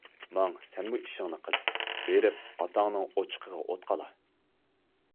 ماڭ، سەنمۇ ئىشىڭنى قىل، بېرىپ ئاتاڭنىڭ ئوچىقىغا ئوت قالا!